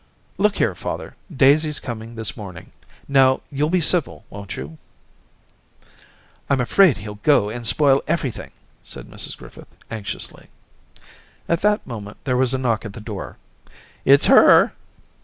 * Look here, father, Daisy's coming this morning. Now, you'll be civil, won't you?' * I'm afraid he'll go and spoil everything,' said Mrs Griffith, anxiously. At that moment there was a knock at the door. * It's her!'